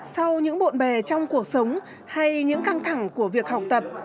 sau những bộn bề trong cuộc sống hay những căng thẳng của việc học tập